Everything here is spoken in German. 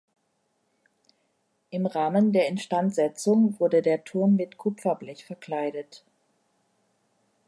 Im Rahmen der Instandsetzung wurde der Turm mit Kupferblech verkleidet.